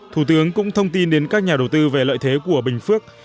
thủ tướng cũng thông tin đến các nhà đầu tư về lợi thế của bình phước